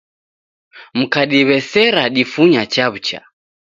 Mkadiw'esera difunya chaw'ucha